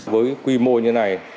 với quy mô như này